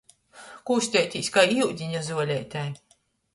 Kusteitīs kai iudiņa zuoleitei.